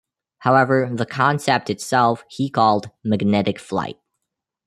However, the concept itself he called "Magnetic Flight".